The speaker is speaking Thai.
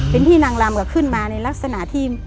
เป็นพี่นางลำขึ้นมาในลักษณะที่